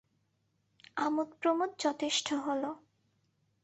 আমোদপ্রমোদ যথেষ্ট হল।